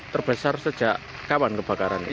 terbesar sejak kapan kebakaran ini